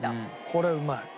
これうまい。